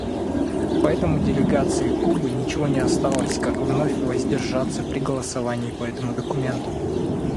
Поэтому делегации Кубы ничего не осталось, как вновь воздержаться при голосовании по этому документу.